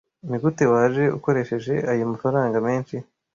Nigute waje ukoresheje ayo mafaranga menshi?